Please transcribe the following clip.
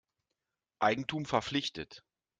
Eigentum verpflichtet.